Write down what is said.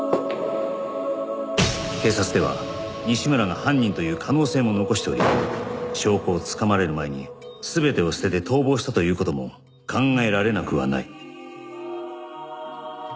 警察では西村が犯人という可能性も残しており証拠をつかまれる前に全てを捨てて逃亡したという事も考えられなくはない